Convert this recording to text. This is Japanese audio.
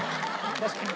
確かに。